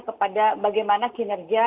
kepada bagaimana kinerja